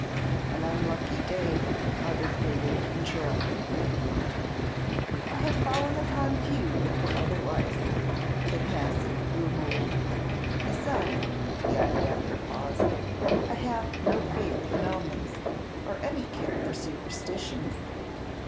"An unlucky day," muttered Billy, interrupting. "I have fallen upon few that were otherwise," said Massy, gloomily; "besides," he added, after a pause, "I have no faith in omens, or any care for superstitions.